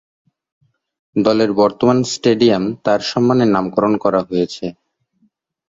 দলের বর্তমান স্টেডিয়াম তার সম্মানে নামকরণ করা হয়েছে।